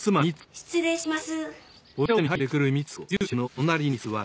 失礼します。